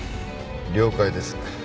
了解です。